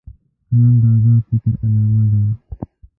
قلم د آزاد فکر علامه ده